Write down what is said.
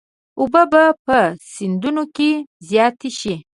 اوبه به په سیندونو کې زیاتې شي.